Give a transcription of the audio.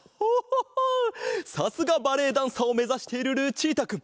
さすがバレエダンサーをめざしているルチータくん。